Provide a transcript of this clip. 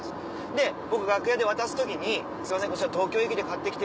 で僕楽屋で渡す時に「すいませんこちら東京駅で買ってきて。